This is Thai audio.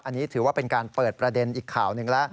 อันนี้ถือว่าเป็นการเปิดประเด็นอีกข่าวหนึ่งแล้ว